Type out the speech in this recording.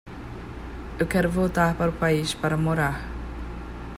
Eu quero voltar para o país para morar.